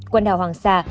quần đảo hoàng sa